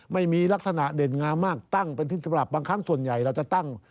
ไม่มีลักษณะเด่นงามมากตั้งเป็นที่สำหรับบางครั้งส่วนใหญ่เราจะตั้ง